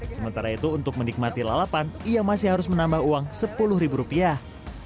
sementara itu untuk menikmati lalapan ia masih harus menambah uang sepuluh ribu rupiah